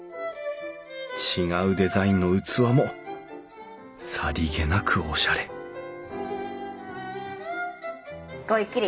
違うデザインの器もさりげなくおしゃれごゆっくり。